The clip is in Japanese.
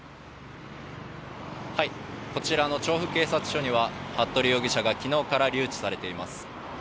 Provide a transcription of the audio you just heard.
調布警察署には服部容疑者が昨日から留置されています。